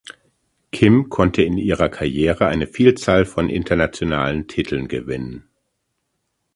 Kim konnte in ihrer Karriere eine Vielzahl von internationalen Titeln gewinnen.